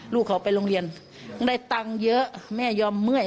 ลูกเขาไปโรงเรียนได้ตังค์เยอะแม่ยอมเมื่อย